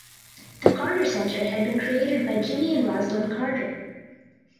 The Carter Center had been created by Jimmy and Rosalyn Carter.